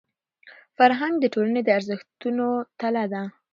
فرهنګ د ټولني د ارزښتونو تله ده.